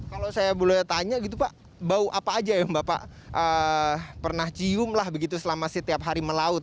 kalau saya boleh tanya gitu pak bau apa aja yang bapak pernah cium lah begitu selama setiap hari melaut